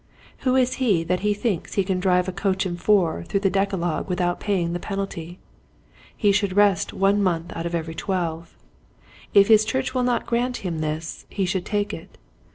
Who is he that he thinks he can drive a coach and four through the Decalogue without paying the penalty } He should rest one month out of every twelve. If his church will not grant him this he should take it.